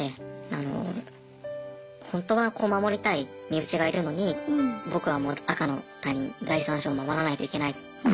あのホントは守りたい身内がいるのに僕は赤の他人第三者を守らないといけない。